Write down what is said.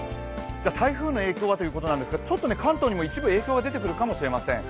台風の影響はということなんですけれども関東にも一部影響が出てくるかもしれません。